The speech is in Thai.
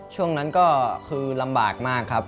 ช่วงนั้นก็คือลำบากมากครับ